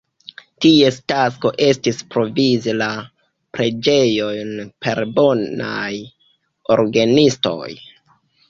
Ties tasko estis provizi la preĝejojn per bonaj orgenistoj.